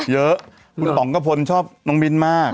เยอะคุณป๋องกระพลชอบน้องมิ้นมาก